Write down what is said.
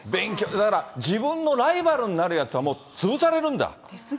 だから自分のライバルになるやつは潰されるんだ。